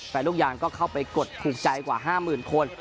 ลูกยางก็เข้าไปกดถูกใจกว่า๕๐๐๐คน